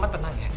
mama tenang ya